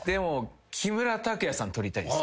木村拓哉さんと撮りたいっす。